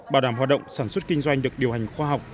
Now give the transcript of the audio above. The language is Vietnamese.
bảo đảm hoạt động sản xuất kinh doanh được điều hành khoa học